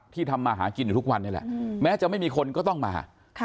ทำมาหากินอยู่ทุกวันนี้แหละแม้จะไม่มีคนก็ต้องมา